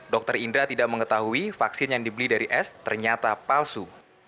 dr indra tidak mengetahui vaksin yang dibeli dari s ternyata palsu